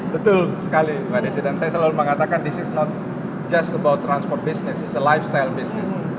betul sekali mbak desi dan saya selalu mengatakan ini bukan hanya tentang transport bisnis ini adalah bisnis lifestyle